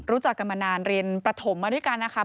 รู้จักกันมานานเรียนประถมมาด้วยกันนะครับ